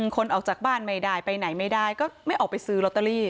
คนออกจากบ้านไม่ได้ไปไหนไม่ได้ก็ไม่ออกไปซื้อลอตเตอรี่